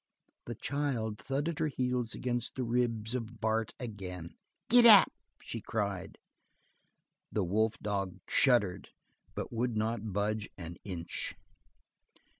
The child thudded her heels against the ribs of Bart again. "Giddap!" she cried. The wolf dog shuddered but would not budge an inch.